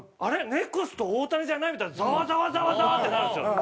ネクスト大谷じゃない？」みたいなザワザワザワザワってなるんですよ。